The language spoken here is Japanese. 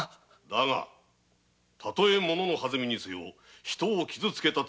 だがたとえものの弾みにせよ人を傷つけた罪は軽くない。